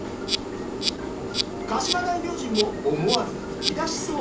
鹿島大明神も思わず吹き出しそう。